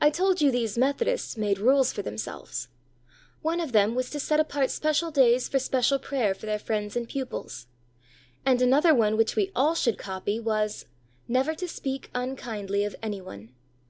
I told you these "Methodists" made rules for themselves. One of them was to set apart special days for special prayer for their friends and pupils. And another one which we all should copy was: NEVER TO SPEAK UNKINDLY OF ANY ONE.